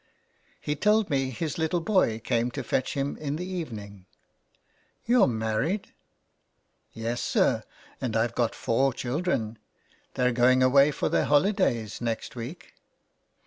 He told me his little boy came to fetch him in the evening. "You're married ?"'' Yes, sir, and Pve got four children. They're going away for their holidays next week.''